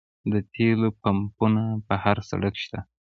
د تیلو پمپونه په هر سړک شته